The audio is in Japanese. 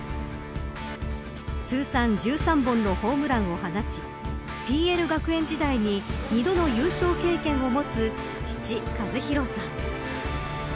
通算１３本のホームランを放ちＰＬ学園時代に２度の優勝経験を持つ父、和博さん。